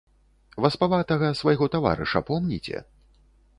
Васпаватага свайго таварыша помніце?